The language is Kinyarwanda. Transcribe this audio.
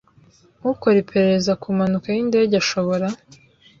Ukora iperereza ku mpanuka y indege ashobora